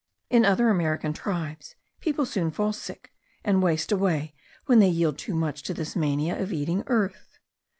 In other American tribes, people soon fall sick, and waste away, when they yield too much to this mania of eating earth.